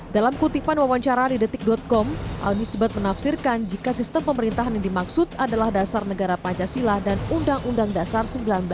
dalam kutipan wawancara di detik com al misbat menafsirkan jika sistem pemerintahan yang dimaksud adalah dasar negara pancasila dan undang undang dasar seribu sembilan ratus empat puluh lima